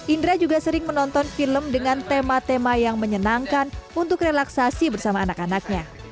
indra juga sering menonton film dengan tema tema yang menyenangkan untuk relaksasi bersama anak anaknya